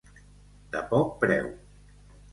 De poc preu.